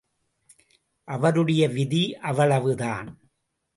அவருடைய விதி அவ்வளவுதான்!